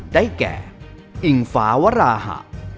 ได้แก่อิงฟ้าวราหะ